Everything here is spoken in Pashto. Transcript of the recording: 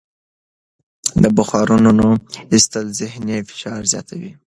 د بخارونو ایستل ذهني فشار زیاتوي.